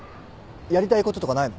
やりたいこととかないの？